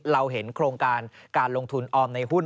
เราเห็นโครงการการลงทุนออมในหุ้น